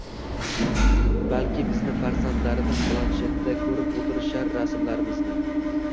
Balki bizni farzanddlarimiz planshetda koʻrib oʻtirishar rasmlarimizni.